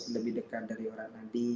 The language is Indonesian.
lebih dekat dari urat tadi